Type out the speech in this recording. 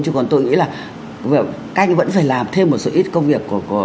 chứ còn tôi nghĩ là các anh vẫn phải làm thêm một số ít công việc của